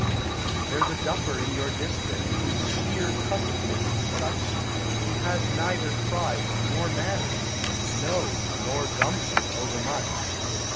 There's a duffer in your district Whose sheer cussedness is such He has neither pride nor manners No, nor gumption, overmuch.